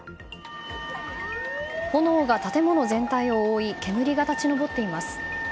炎が建物全体を覆い煙が立ち上っています。